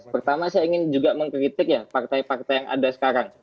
pertama saya ingin juga mengkritik ya partai partai yang ada sekarang